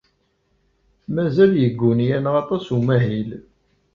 Mazal yegguni-aneɣ aṭas n umahil.